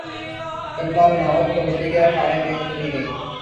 کنگنا رناوٹ کبڈی کے اکھاڑے میں اتریں گی